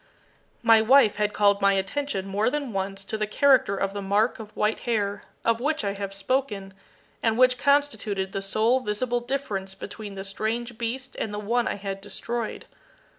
My wife had called my attention more than once to the character of the mark of white hair, of which I have spoken, and which constituted the sole visible difference between the strange beast and the one I had destroyed.